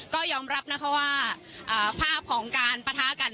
ก็ยอมรับนะคะว่าภาพของการปะทะกัน